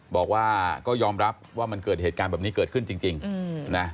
บอกว่าก็ยอมรับว่ามันเกิดเหตุการณ์แบบนี้เกิดขึ้นจริงนะ